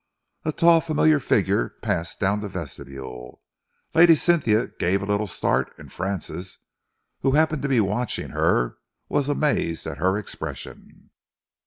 A tall, familiar figure passed down the vestibule. Lady Cynthia gave a little start, and Francis, who happened to be watching her, was amazed at her expression.